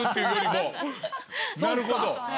なるほど。